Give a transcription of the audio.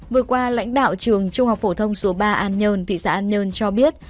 vừa qua lãnh đạo trường trung học phổ thông số ba an nhơn thị xã an nhơn cho biết